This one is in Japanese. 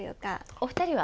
お二人は？